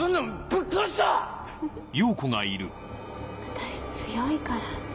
私強いから。